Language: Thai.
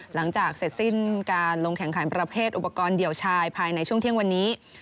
หลังจากเสร็จสิ้นการลงแข่งขันประเภทอุปกรณ์เดี่ยวชายภายในช่วงเที่ยงวันนี้